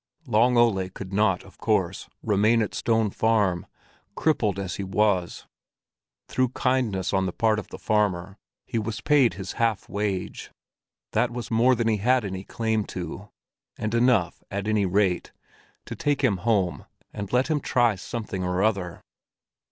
Long Ole could not, of course, remain at Stone Farm, crippled as he was. Through kindness on the part of the farmer, he was paid his half wage; that was more than he had any claim to, and enough at any rate to take him home and let him try something or other.